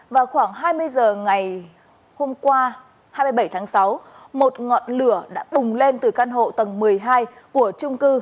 vào khoảng hai mươi h ngày hôm qua hai mươi bảy tháng sáu một ngọn lửa đã bùng lên từ căn hộ tầng một mươi hai của trung cư